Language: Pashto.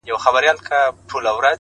او هیله نه سي ځني کېدلای